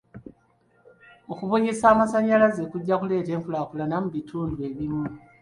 Okubunyisa amasannyalaze kujja kuleeta enkulaakulana mu bitundu ebimu.